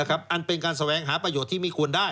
อันเป็นการแสวงหาประโยชน์ที่ไม่ควรได้